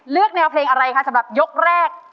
เลือกแนวเพลงอะไรคะสำหรับยกแรก